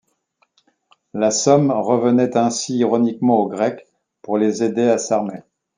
La somme revenait ainsi ironiquement aux Grecs pour les aider à s'armer.